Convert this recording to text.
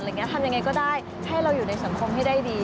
ที่จะทำอย่างไรวก็ได้ให้เราอยู่ในสังคมให้ได้ดี